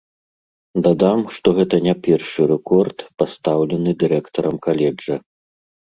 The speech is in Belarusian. Дадам, што гэта не першы рэкорд, пастаўлены дырэктарам каледжа.